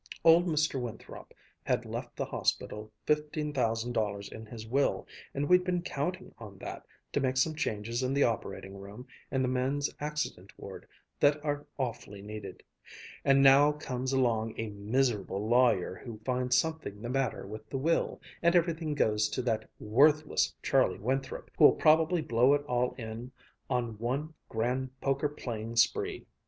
Old Mr. Winthrop had left the hospital fifteen thousand dollars in his will, and we'd been counting on that to make some changes in the operating room and the men's accident ward that are awfully needed. And now comes along a miserable lawyer who finds something the matter with the will, and everything goes to that worthless Charlie Winthrop, who'll probably blow it all in on one grand poker playing spree.